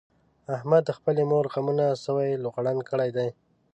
احمد د خپلې مور غمونو سوی لوغړن کړی دی.